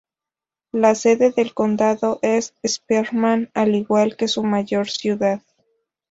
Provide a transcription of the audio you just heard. La sede del condado es Spearman, al igual que su mayor ciudad.